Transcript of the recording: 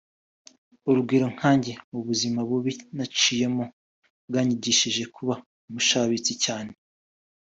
urugero nkanjye ubuzima bubi naciyemo bwanyigishije kuba umushabitsi cyane